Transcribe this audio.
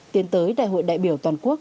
tiến tới đại hội đại biểu toàn quốc